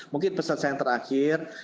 mungkin pesan saya yang terakhir